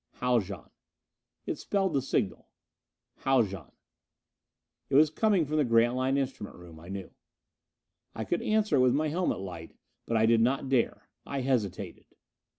"Haljan." It spelled the signal. "Haljan." It was coming from the Grantline instrument room, I knew. I could answer it with my helmet light, but I did not dare. I hesitated.